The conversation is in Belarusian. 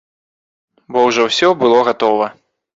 Бо ўжо ўсё было гатова.